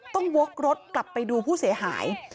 วกรถกลับไปดูผู้เสียหาย